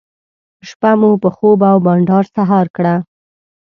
شپه مو په خوب او بانډار سهار کړه.